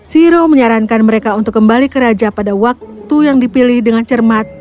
siro menyarankan mereka untuk kembali ke raja pada waktu yang dipilih dengan cermat